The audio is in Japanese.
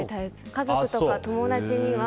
家族とか友達には。